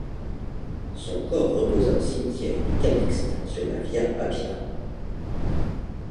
Son corps reposa au cimetière de Calixte sur la via Appia.